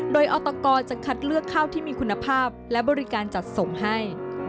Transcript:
โดยออตกจะคัดเลือกข้าวที่มีคุณภาพและบริการจัดส่งให้